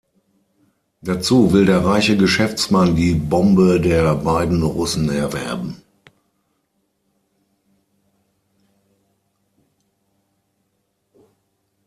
Dazu will der reiche Geschäftsmann die Bombe der beiden Russen erwerben.